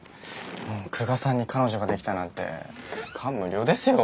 久我さんに彼女ができたなんて感無量ですよ。